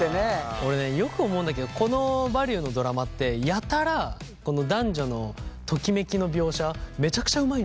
俺ねよく思うんだけどこの「バリュー」のドラマってやたらこの男女のときめきの描写めちゃくちゃうまいんだよね。